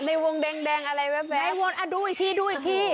ในวงแดงแดงอะไรแว๊บในวนอ่ะดูอีกทีดูอีกที